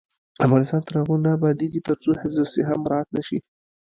افغانستان تر هغو نه ابادیږي، ترڅو حفظ الصحه مراعت نشي.